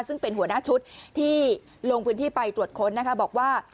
ซึ่งเป็นหัวหน้าชุดที่ลงพื้นที่ไปตรวจค้นนะคะบอกว่า